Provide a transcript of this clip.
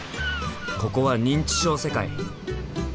ここは認知症世界！